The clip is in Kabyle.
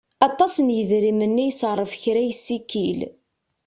Aṭas n yedrimen i iṣerref kra yessikil.